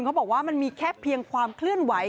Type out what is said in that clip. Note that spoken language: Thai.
เขาบอกว่ามันมีแค่เพียงความเคลื่อนไหว